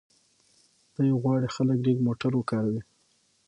دوی غواړي خلک لږ موټر وکاروي.